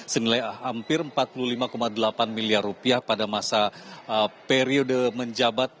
senilai hampir rp empat puluh lima delapan miliar pada masa periode menjauhkan